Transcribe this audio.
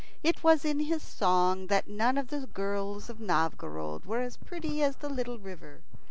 It was in his song that none of the girls of Novgorod were as pretty as the little river.